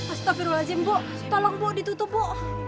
astagfirullahaladzim bu tolong bu ditutup bu